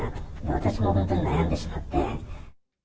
私も本当に悩んでしまって。